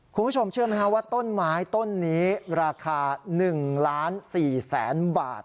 คุณผู้ชมเชื่อไหมครับว่าต้นไม้ต้นนี้ราคา๑ล้าน๔แสนบาท